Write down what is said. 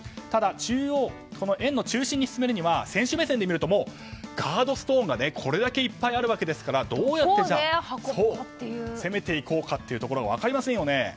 ただ、円の中心に進めるには選手目線で見るともうガードストーンがこれだけいっぱいあるわけなのでどうやって攻めていこうかというところが分かりませんよね。